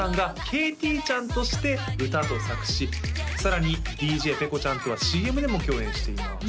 ＫＴちゃんとして歌と作詞さらにＤＪペコちゃんとはＣＭでも共演しています＃